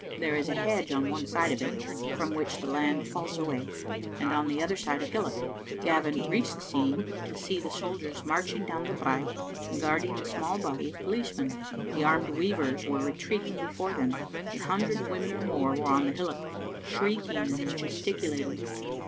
There is a hedge on one side of it, from which the land falls away, und Qp the other side a hillock. Gavin reached thQ Digitized by VjOOQ IC scene to see the soldiers marching down the brae, guarding a small body of policemen. The armed weavers were retreating before them. A hundred women or more were on the hillock, shrieking and gesticulating.